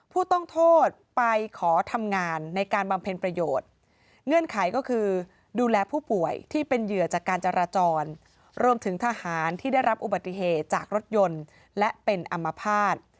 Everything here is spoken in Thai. ผู้ต้องโทษไปขอทำงานในการบำเพ็ญประโยชน์เงื่อนไขก็คือดูแลผู้ป่วยที่เป็นเหยื่อจากการจราจรรวมถึงทหารที่ได้รับอุบัติเหตุจากรถยนต์และเป็นอัมพาต